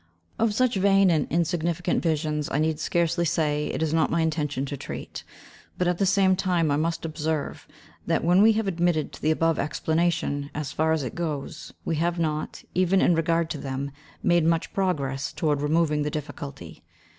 Of such vain and insignificant visions, I need scarcely say it is not my intention to treat; but, at the same time, I must observe, that when we have admitted the above explanation, as far as it goes, we have not, even in regard to them, made much progress toward removing the difficulty.